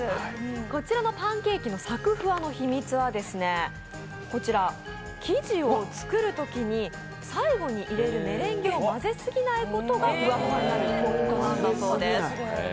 こちらのパンケーキのさくふわの秘密は、生地を作るときに最後に入れるメレンゲを混ぜすぎないことがフワフワになるポイントだそうです。